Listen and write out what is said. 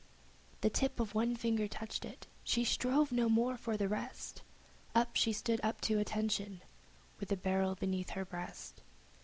The tip of one finger touched it, she strove no more for the rest; Up, she stood up at attention, with the barrel beneath her breast.